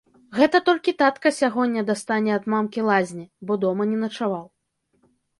Гэта толькі татка сягоння дастане ад мамкі лазні, бо дома не начаваў.